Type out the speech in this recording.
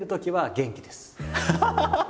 ハハハハ！